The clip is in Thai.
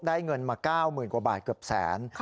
ได้เงินมา๙๐๐๐๐บาทเกือบแสน